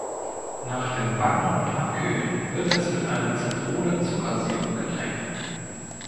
Nach dem Backen und Abkühlen wird es mit einem Zitronen-Zuckersirup getränkt.